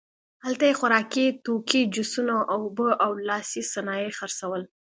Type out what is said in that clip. هلته یې خوراکي توکي، جوسونه، اوبه او لاسي صنایع خرڅول.